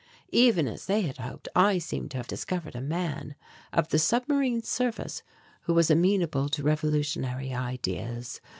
Even as they had hoped, I seemed to have discovered a man of the submarine service who was amenable to revolutionary ideas.